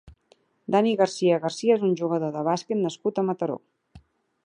Dani García García és un jugador de bàsquet nascut a Mataró.